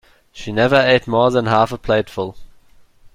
She never ate more than half a plateful